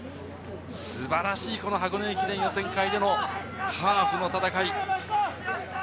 素晴らしい箱根駅伝予選会でのハーフの戦い。